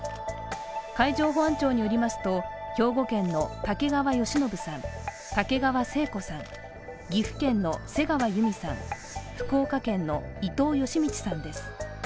海上保安庁によりますと兵庫県の竹川好信さん、竹川生子さん、岐阜県の瀬川由美さん、福岡県の伊藤嘉通さんです。